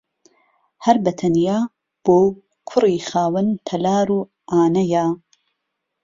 هەر بەتەنیا بۆ کوڕی خاوەن تەلار و عانەیە